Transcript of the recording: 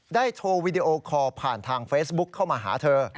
ได้โทรวิดีโอคอล์ผ่านทางเฟซบุ๊กเข้ามาหาเธอ